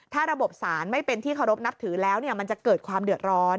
ถ้าระบบสารไม่เป็นที่เคารพนับถือแล้วมันจะเกิดความเดือดร้อน